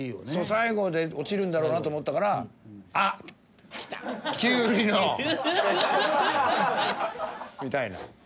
最後で落ちるんだろうなと思ったからあっきゅうりの！みたいな。